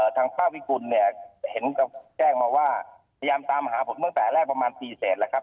ทางป้าวิกุลเนี่ยเห็นแจ้งมาว่าพยายามตามหาผมตั้งแต่แรกประมาณตีเสร็จแล้วครับ